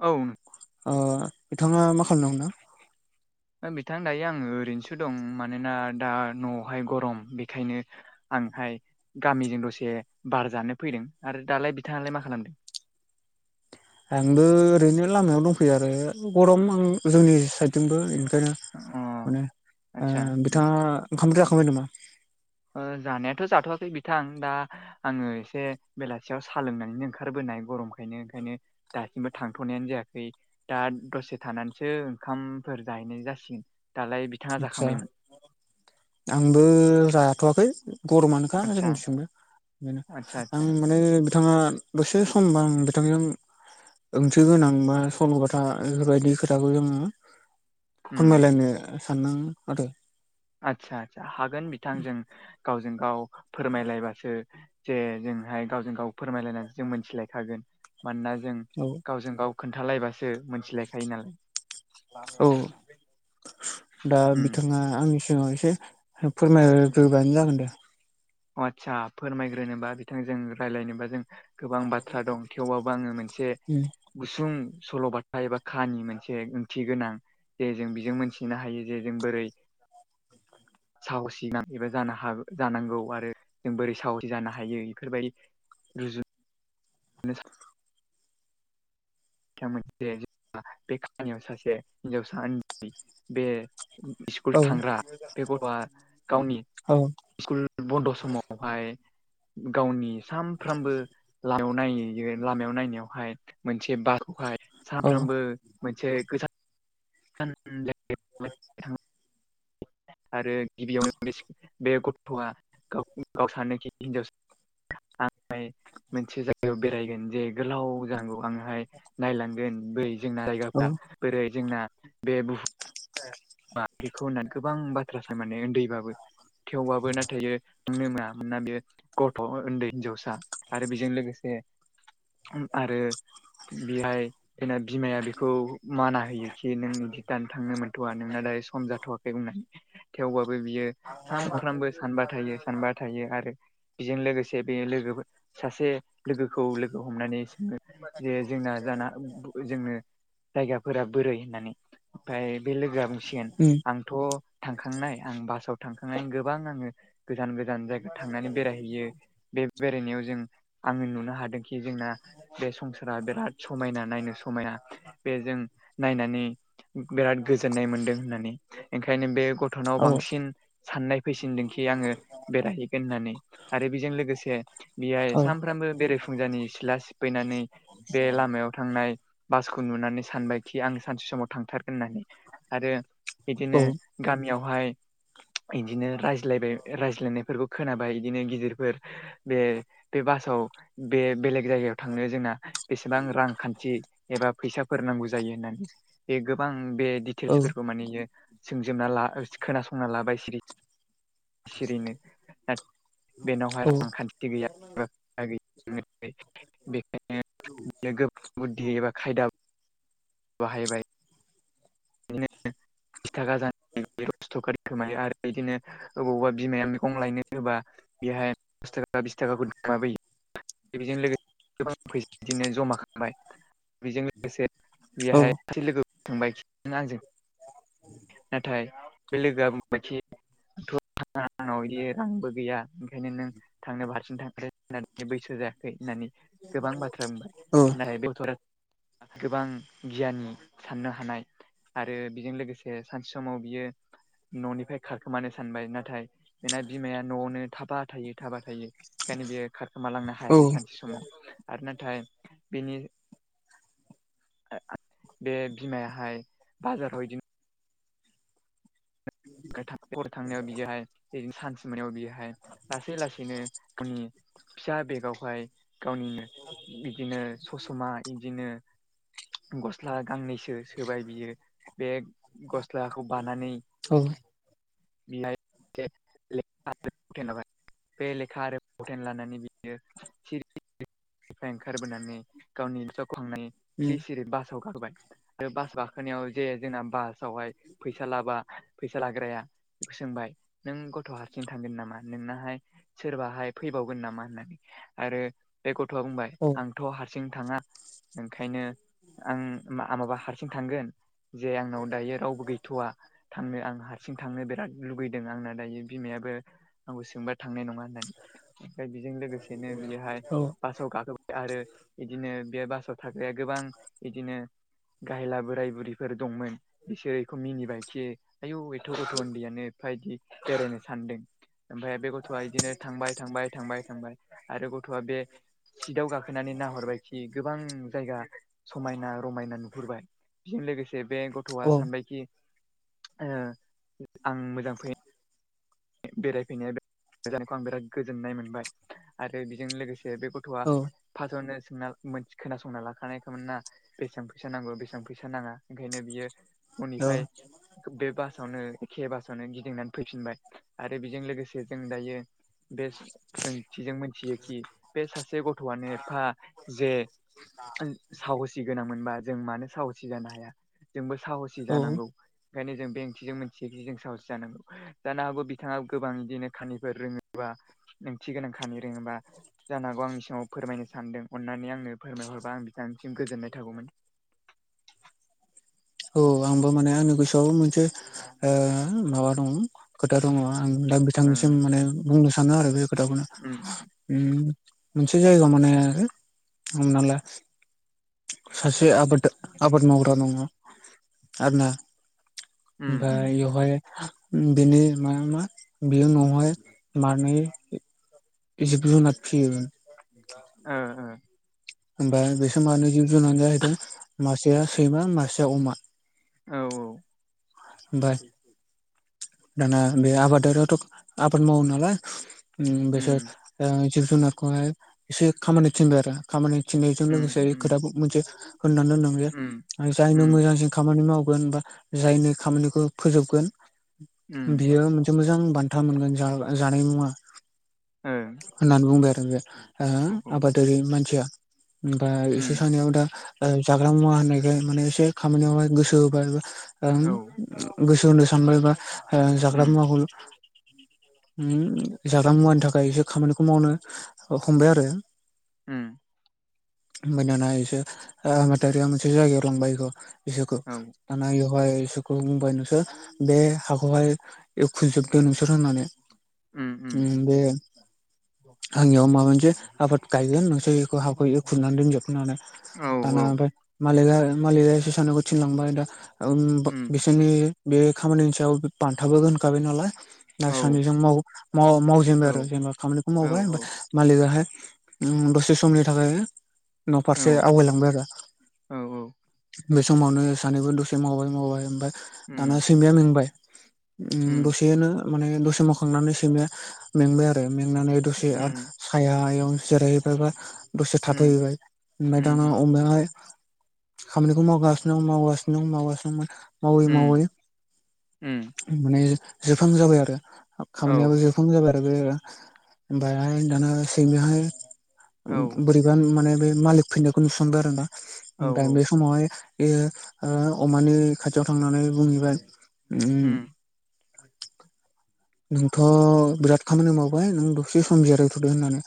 औ अ बिथाङा मा खालामदोंं दा? बिथां दायो आङो ओरैनोसो दं मानोना दा न'आवहाय गरम बेखायनो आंहाय गामिजों दसे बार जानो फैदों आरो दालाय बिथाङालाय मा खालामदों? आंबो ओरैनो लामायाव दंफैयो आरो गरम आं जोंनि साइद थिंबो बेखायनो अ माने ओ आदसा बिथाङा ओंखाम जाखांबाय नामा? ओ जानायाथ' जाथ'वाखै बिथां दा आङो एसे बेलासियाव सा लोंनानैनो ओंखारबोनाय गरमखायनो ओंखायनो दासिमबो थांथ'नायानो जायाखै दा दसे थानानैसो ओंखामफोर जाहैनाय जासिगोन दालाय बि आदसा आंबो जाथ'वाखै। गरमानोखा आदसा जोंथिंबो बेनो आदसा आदसा आं माने बिथाङा दसे समबा आं बिथांजों ओंथि गोनां बा सल'बाथा बेफोरबायदि खोथाखौ जोङो उम फोरमायलायनो सानदो आरो। आदसा आदसा हागोन बिथां जों गावजों गाव फोरमायलायबासो जे जोंहाय गावजों गाव फोरमायलायनानैसो जों मोनथिलायखागोन मानोना जों औ गावजों गाव खोन्थालायबासो मोन औ दा उम बिथाङा आं जोङो एसे फोरमायग्रोबानो जागोन दे। आतसा फोरमायग्रोनोबा बिथांजों राय्लायनोबा जों गोबां बाथ्रा दं थेवबाबो आङो मोनसे उम गुसुं सल'बाथा एबा खानि मोनसे ओंथि गोनां जे जों बेजों मोनथिनो हायो जे जों बोरै साह'सि नां एबा जानो हा जानांगौ आरो। ज बै साह'सि जानो हायो इफोरबायदि रुजुनो नि [unintelligible] बिथां बे खाहानियाव सासे हिनजावसा उन्दै बे स्कुल औ थांग्रा बे गथ'आ गावनि औ स्कुल बन्द' समावहाय गावनि सानफ्रामबो लामायाव नायै बेयो लामायाव नायनायावहाय मोनसे बारखौहाय औ सानफ्रामबो मोनसे गोजान [unintelligible] औ [unintelligible] आरो गिबियावनो बे गथ'आ गाव सानोखि हिनजावसा आ मोनसे जायगायाव बेरायगोन जे गोलाव जानांगौ आंहाय नायलांगोन बै जोंना औ जायगाफ्रा बोरै जोंना बे बुहु ओ [unintelligible] मा बेखौ होननानै गोबां बाथ्रा सान माने उन्दैबाबो थेवबाबो नाथाय नो मोनना बेयो गथ' उन्दै हिनजावसा आरो बेजों लोगोसे आरो बेहाय बिना बिमाया बेखौ माना होयोखि नोंनि गितानो थांनो मोनथ'वा नोंना दायो सम जाथ'वाखै बुंनानै थेवबाबबो बियो औ सानफ्रोमबो सानबाय थायो सानबाय थायो आरो बेजों लोगोसे बे लोगोफोर सासे लोगोखौ लोगो हमनानै सोङो जे जोंना जाना जोंनो जायगाफोरा बोरै होननानै ओमफ्राय बे लोगोआ बुंसिगोन आं थ' थांखांनाय आं बासाव थांखांनाय गोबां आङो गोजान गोजान जायगायाव थांनानै बेरायहैयो बे बेरायनायाव जों आङो नुनो हादोंखि जोंना बे संसारा बिराद समायना नायनो समायना बेजों नायनानै बिराद गोजोननाय मोनदों होननानै ओंखायनो बे गथ'नाव बांसिन साननाय फैसिनदोंखि आङो बेरायहैगोन होननानै आरो बेजों लोगोसे बेहाय सामफ्रामबो बेरायफुंजानि सिथ्ला सिबफैनानै बे लामायाव थांनाय बासखौ नुनानै सानबायखि आं सानसे समाव थांथारगोन होननानै आरो बिदिनो गामियावहाय बिदिनो रायज्लायबाय रायज्लायनायफोरखौ खोनाबाय बिदिनो गिदिरफोर बे बे बासाव बे बेलेग जायगायाव थांनो जोंना बेसेबां रांखान्थि एबा फैसाफोर नांगौ जायो होननानै बे गोबां बे टेल्सफोरखौ मानेयो सोंजोबना ला खोनासंना लाबायसिरि सिरिनो बेनावहाय रांखान्थि बेखायनो बुद्धि एबा खायदा बाहायबाय बिदिनो बिस थाखा जानाय रस्थ' खारिखोमायो आरो बिदिनो अबावबा बिमाया मैगं लायनो होबा बेहाय दस थाखा बिस थाखाखौ खमाबयो बेजों लोगोसे फैसा बिदिनो जमा खालामबाय बेजों लोगोसे बेहायसे लोगो थांबाय खिनो आंजों नाथाय बे लोगोआ बुंबायथि नाव बिदि रांबो गैया ओंखायनो नों थांनो बारसिं थां होननानै बैसो जायाखै होननानै गोबां बाथ्रा बुंबाय नाथाय बेथ'रा गोबां गियानि साननो हानाय आरो बेजों लोगोसे सानसे समाव बियो न'निफ्राय खारखोमानो सानबाय नाथाय दा बिमाया न'आवनो थाबा थायो थाबा थायो ओंखायनो बेयो खारखोमालांनो हायासै सानसे समाव आरो नाथाय बिनि बे बिमायाहाय बाजाराव बिदिनो ओ थां हरै थांनायाव बिदिहाय ओरैनो सानसे मोनायाव बेहाय लासै लासैनो आंनि फिसा बेगावहाय गावनिनो बिदिनो ससमा बिदिनो गस्ला गांनैसो सोबाय बियो बे गस्लाखौ बानानै थ' बि बाय बे लेखा आरो फावटेन लानानै बियोरि बिफा ओंखारबोनानै गावनि जखांनाय सिरि सिरि बासाव गारबाय आरो बास बाखोनायाव जे जोंना बासावहाय फैसा लाबा फैसा लाग्राया बेखौ सोंबाय नों गथ' हारसिं थांगोन नामा नोंनहाय सोरबाहाय फैबावगोन नामा होननानै आरो बे गथ'आ बुंबाय औ आंथ' हारसिं थाङा ओंखायनो आं माबा हारसिं थांगोन जे आंनाव दायो रावबो गैथ'वा थांनो आं हारसिं थांनो बिराद लुुबैदों आंना दायो बिमायाबो आंखौ सोंबा थांनाय नङा होननानै ओमफ्राय बेजों लोगोसे नो बिहाय पासाव ग आरो इदिनो बे बासाव थाग्राया गोबां बिदिनो गाहला बोराय बुरिफोर दंमोन बिसोर बेखौ मिनिबायखि आयौ एथ' गथ' उन्दैयानो एफाबायदि बेरायनो सानदों ओमफाय बे गथ'आ बिदिनो थांबाय थांबाय थांबाय थांबाय आरो गथ'आ बे सिटाव गाखोनानै नाहरबाय खि गोबां जायगा समायना रमायना नुहुरबाय बेजों लोगोसे बे गथ'आ सानबायखि आं मोजां फै बेरायफैनाया मोजानायखौ आं बिराद [unintelligible] गोजोननाय मोनबाय आरो बेजों लोगोसे बेथ' गथ'आ फार्स्टावनो खोनासंना लाखानायखामोन ना बेसेबां फैसा नांगौ बेसेबां फैसा नाङा ओंखायनो बियो औ नननिफ्राय बे बासावनो एखे बासावनो गिदिंनानै फैफिनबाय आरो बेजों लोगोसे जों दायो बे ओंथिजों मिथियोखि बे सासे गथ'आनो एफा जे साहसि गोनां मोनबा जों मानो साहसि जानो हाया जोंबो साहसि औ जानांगौ ओंखायनो जों बे ओंथेजों मोनथियखि जों साहस जानो हागौ बिथाङा गोबां बिदिनो खानिफोर रोङोबा ओंथि गोनां खानि रोङोबा जानोगौ आंनि सिगाङाव फोरमायनो सानदों अन्नानै आंनो फोरमायहरबा आं बिथांनिसिम गोजोननाय थागौमोन औ आंबो माने आंनि गोसोआव मोनसे माबा दं खोथा दङ आं दा ओ बिथांनिसिम माने बुंनो सानो आरो बे खोथाखौनो उम उ मोनसे जायगा माने हमनालाय सासे आबाद आबाद मावग्रा दङ आरो ना उम एआवहाय बिनि [unintelligible] जिब जुनार फिसियो [inaudible] होनबा बेसोर मानो जिब जुनार जाहैदों मासेया सैमा मासेया अमा औ औ ओमफ्राय दाना बे आबादारिआथ' आबाद मावो नालाय बेसोर उम जिब जुनारखौहाय एसे खामानि थिनबाय आरो खामानि थिनायजों उम लोगोसे उम खोथााबो मोनसे होननानै दोन उम जायनो मोजांसिन खामानि मावगोन बा जायनो खामानिखौ फोजोबगोन उम उम बियो मोनसे मोजां बान्था मोनगोन जानाय मुङा ओ होननानै बुंबाय आरो आबादारि मानसिया हमबाय इसोर सानैआबोदा जाग्रा मुवा होननायखाय माने एसे खामानियावहाय गोसो होबाय एबा औ गोसो होनो सानबायबा जाग्रा मुवाखौ जाग्रा मुवानि थाखाय एसे खामानिखौ मावनो हमबाय आरो ह उमफखय आबादारिया मोनसे जायगायाव लांबाय बेखौ औ इसोरखौ खौ बुंबाय नोंसोर बे हाखौहाय एउखुजोबदो नोंसोर होननानै उम उम बे आंनियाव माबा मोनसे आबाद गायगोन नोंसोर बेखौ हेवखुरनानै दोनजोबनानै औ उम औ औ दाना मालिगा बेसोर सानैखौ थानलांबाय उम बिसोरनि बे खामानिनि सायाव बान्थाबो दोनखाबाय नालाय दा औ सानैजों मावजेनबाय आरो जेनेबा खामानिखौ औ मावबाय होनबा मालिकाहाय उ दसे समनि थाखाय न' औ फारसे आवगायलांबाय आरो औ औ बे समावनो सानैबो दसे मावबाय मावबाय ओमफफ्राय दाना उम सैमिाया मेंबाय उ उम दसेनो माने दसे मावखांनानै सैमाया मेंबाय आरो मेंनानै दसे आरो उम सायहायाव जिरायहोयबाय दसे उम थाथहोयबाय उम खामानिखौ मावगासिनो दं मावगासिनो दं मावगासिनो द मावै उम मावै उम माने जोबफां जाबाय आरो औ खामानियाबो जोब [unintelligible] ओमफ्राय दाना सैमायाहाय औ बो-बोरै इबां माने बे मालिक फैनायखौ नुसनबाय आरो ना। औ ओमफ्राय बे समावहाय बेयो ओ अमानि खाथियाव थांनानै बुंहैबाय उम [inaudible] नोंथ बिराद खामानि मावबाय नों दसे सम जिरायथ'दो होननानै।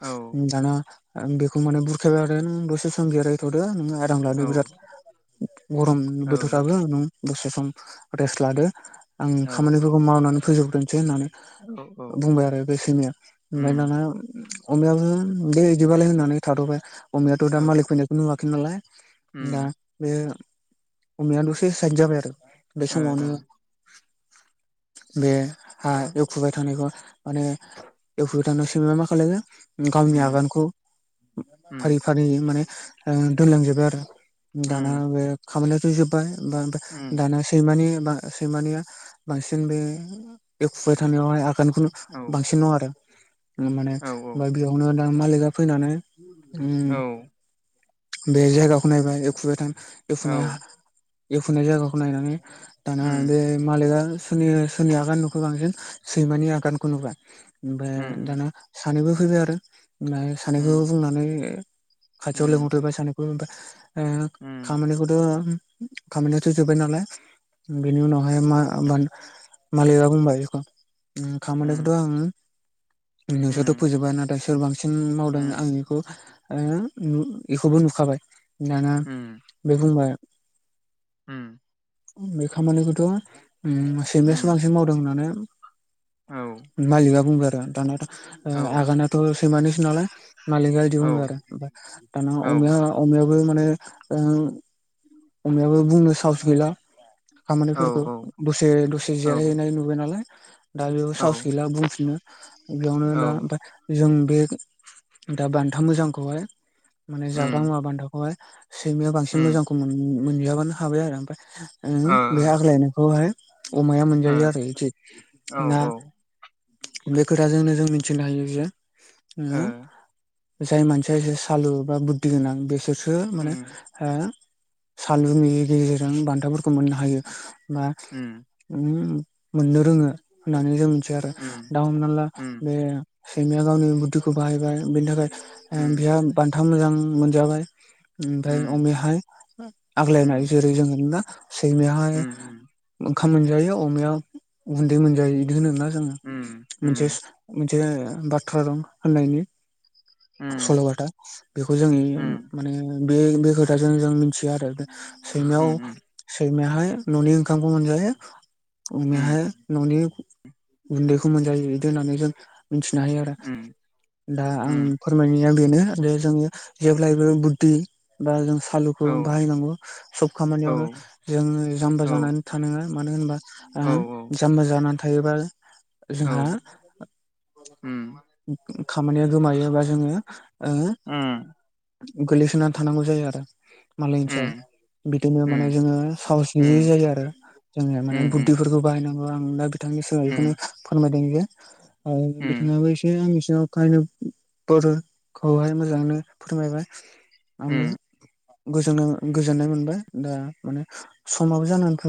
औ दाना बेखौ माने बुरखायबाय नों दसे सम जिरायथ'दो नोङो [unintelligible] औ लादो बिराद गरम बोथोर औ नों दसे सम रेस्ट लादो आं खामानिफोरखौ मावनानै फोजोबग्रोनोसै होननानै। औ औ बुंबाय आरो बे सैमाया। ओमफ्राय उम दाना अमायाबो द बिदिबालाय होननानै थाथ'बाय अमायाथ' दा औ मालिक फैनायखौ नुवाखै नालाय दा उम बे अमाया दसे साइद जाबाय आरो बे ओ समावनो बे हा एवखुबाय थानायखौ माने एवखुबाय थानायाव सैमाया मा खालामो गावनि उम आगानखौ फारि उम फारि माने ओ दोनलांजोबाय आरो। दाना उम बे खामानियाथ' जोबबाय ओमबा ओमफ्राय उम दाना सैमानि बा सैमानिया बांसिन बे एवखुबाय थानायावहाय आगानखौ- औ बांसिन दङ आरो माने औ ओमफ्राय बेयावनो दा मालिका फैनानै उम औ बे जायगाखौ नायबाय एवखुबा थानाय औ एवखुनाय एवफुनाय जायगाखौ नायनानै दाना बे उम मालिका सोरनि सोरनि आगान नुखो बांसिन सैमानि आगानखौ नुबाय। ओमफफ्राय उम दाना सानैबो फैबाय आरो ओमफ्राय सानैखौ उम बुंनानै खाथियाव उम लेंंहरबाय सानैखौबो ओमफ्राय ओ उम खामानिखौ ओ खामानियाथ जोब्बाय नालाय बेनि उनावहाय मा-मा-मालिगा बुंबाय बेखौ उम खामानिखौथ आंङो नोंसोरथ' उम फोजोबबाय नाथाय सोर बांसिन मावदों आंनि बेखौ ओ बेखौबो नुखाबाय दाना उम बे बुंबाय उम बे खामानिखौथ' उम उम सैमायासो बांसिन मावदों होननानै। औ मालिकआ बुंबाय आरो दानाथ' ओ औ आगानाथ' सैमानिसो नालाय मालिकआ बिदि औ बुंबाय आरो दाना औ अमाया अमायाबो माने ओ [inaudible] अमायाबो बुंनो साहस गैला खामानिफोरखौ। औ दसे दसे जिरायहैनाय नुबाय नालाय दा बेयाबो औ साहस गैला बुंफिनो बेयावनो दा औ ओमफ्राय जों बे दा बान्था मोजांखौहाय माने उम जाग्रा मुवा बान्थाखौहाय सैमाया बांसिन उम मोजांखौ मोन-मोनजायाबानो हाबाय आरो ओमफ्राय ओ बे आग्लायनायखौहाय अमाया ओ मोनजायो आरो‌ बिदि ना। ओ बे खोथाजोंनो जों मोनथिनो हायो जे औ उम जाय मानसिया इसे सालु बा बुद्धि गोनां बेसोरसो माने ओ उम हा सालुनि गेजेरजों बान्थाफोरखौ मोननो हायो बा उम उम मोननो रोङो होननानै जों मिथियो उम आरो दा हमना ला उम बे सैमाया गावनि बुद्धिखौ बाहायबाय बिनि थाखाय ओ उम बिहा बान्था मोजां मोनजाबाय। ओ ओमफ्राय उम अमायाहाय आग्लायनाय उम जेरै जोङो नुदोंना सैमायाहाय उम ओंखाम मोनजायो अमाया गुन्दै मोनजायो बिदि होनोना जोङो। उम मोनसे उम मोनसे बाथ्रा दं होननायनि। उम सल'बाथा बेखौ जों उम माने बे बे खोथाजों जों मोनथियो आरो सैमायाव उम उम सैमायाहाय न'नि ओंखामखौ मोनजायो। उम अमायाहाय न'नि गुन्दैखौ मोनजायो बिदि होननानै जों मिथिनो हायो आरो। उम दा आं उम फोरमायनाया बेनो जे जोङो जेब्लायबो बुद्धि बा जों सालुखौ औ बाहायनांगौ सब औ खामानियावनो जों जाम्बा औ जानानै थानाङा मानो होनबा औ ओ जाम्बा जानानै थायोबा औ जोंहा उम खामानिया गोमायो बा जोङो ओ उम गोलैसोनानै थानांगौ जायो आरो मालायनि सायाव। उम बिदिनो माने उम जोङो साहसनि उम जायो आरो जोङो माने उम बुद्धिफोरखौ बाहायनांगौ आं दा नोंथांनि समाव बेखौनो उम फोरमायदों जे ओ उम बिथाङाबो जे आंनि सिगाङाव [unintelligible] खौहाय मोजाङैनो फोरमायबाय। आंबो उम गोजो-गोजोननाय मोनबाय दा माने समाबो जानानै थां